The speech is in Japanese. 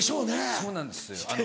そうなんですあの。